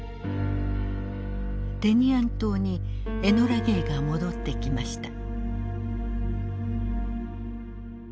テニアン島に「エノラ・ゲイ」が戻ってきました。